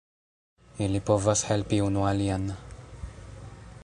Ili povas helpi unu alian.